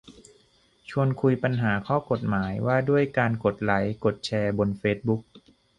ชวนคุยปัญหาข้อกฎหมายว่าด้วยการกดไลค์กดแชร์บนเฟซบุ๊ก